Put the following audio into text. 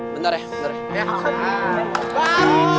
bentar ya bentar ya